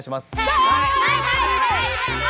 はい！